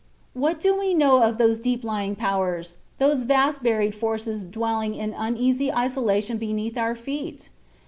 What do we know of those deep lying powers, those vast buried forces dwelling in uneasy isolation beneath our feet?